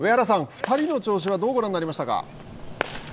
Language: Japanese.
２人の調子はどうご覧になりましたか。